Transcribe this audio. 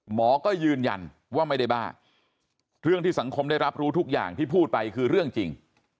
หมอก็ยืนยันว่าไม่ได้บ้าเรื่องที่สังคมได้รับรู้ทุกอย่างที่พูดไปคือเรื่องจริง